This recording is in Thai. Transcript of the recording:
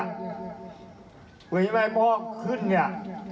เพราะฉะนั้นไม่ให้พ่อขึ้นเนี่ย